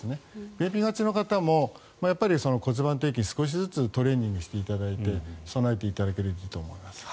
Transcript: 便秘がちの方も骨盤底筋を少しずつトレーニングしていただいて備えていただけるといいと思います。